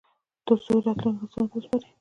ترڅو یې راتلونکو نسلونو ته وسپاري